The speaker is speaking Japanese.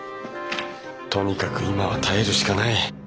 とにかく今は耐えるしかない。